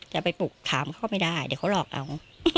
จะไปปลุกถามเขาก็ไม่ได้เดี๋ยวเขาหลอกเอา